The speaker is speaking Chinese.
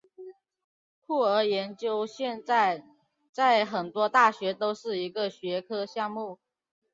酷儿研究现在在很多大学都是一个学科项目。